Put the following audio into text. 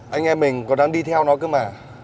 anh em mình còn đang đi theo nó cơ mà